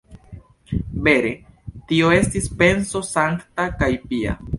Vere, tio estis penso sankta kaj pia.